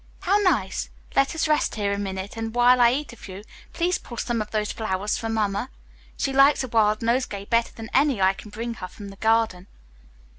"How nice. Let us rest a minute here, and while I eat a few, please pull some of those flowers for Mamma. She likes a wild nosegay better than any I can bring her from the garden."